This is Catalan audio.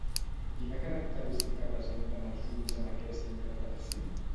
Quina característica presenten els ulls en aquesta interpretació?